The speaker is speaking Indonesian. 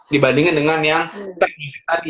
dibandingin dengan yang terdiri tadi